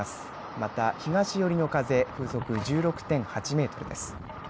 また東寄りの風、風速１６．８メートルです。